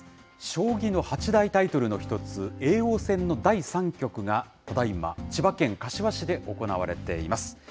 将棋の八大タイトルの一つ、叡王戦の第３局が、ただいま、千葉県柏市で行われています。